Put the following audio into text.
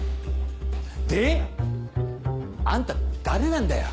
で？あんた誰なんだよ。